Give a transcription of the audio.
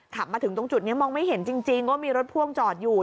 ขับมาถึงตรงจุดนี้มองไม่เห็นจริงว่ามีรถพ่วงจอดอยู่